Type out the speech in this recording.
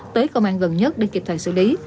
tới công an gần nhất để kịp thời xử lý